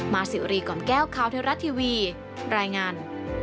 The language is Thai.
มาซิวรีก่อนแก้วคาวเทอรัสทีวีแรงงาน